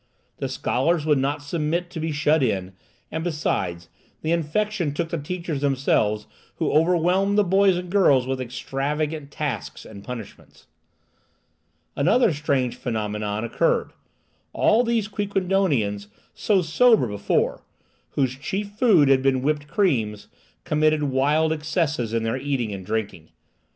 The scholars would not submit to be shut in, and, besides, the infection took the teachers themselves, who overwhelmed the boys and girls with extravagant tasks and punishments. Another strange phenomenon occurred. All these Quiquendonians, so sober before, whose chief food had been whipped creams, committed wild excesses in their eating and drinking.